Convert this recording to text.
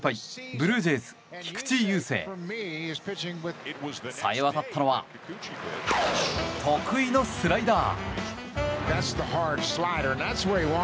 ブルージェイズ、菊池雄星。さえわたったのは得意のスライダー。